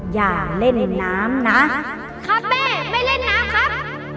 อย่าเล่นไอ้น้ำนะครับแม่ไม่เล่นน้ำครับ